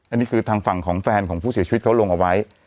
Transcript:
อันนี้คือทางฝั่งของแฟนของผู้เสียชีวิตเขาลงเอาไว้